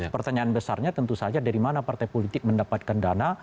pertanyaan besarnya tentu saja dari mana partai politik mendapatkan dana